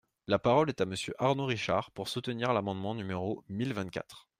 La parole est à Monsieur Arnaud Richard, pour soutenir l’amendement numéro mille vingt-quatre.